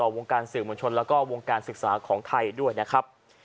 บนการสื่อมนะคะวงการศึกษาของไทยด้วยครับ